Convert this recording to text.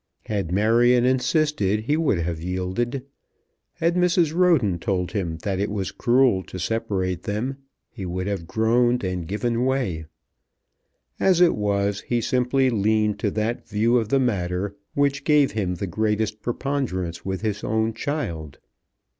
Had Marion insisted, he would have yielded. Had Mrs. Roden told him that it was cruel to separate them, he would have groaned and given way. As it was, he simply leaned to that view of the matter which gave him the greatest preponderance with his own child.